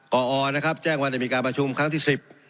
กอนะครับแจ้งว่าได้มีการประชุมครั้งที่๑๐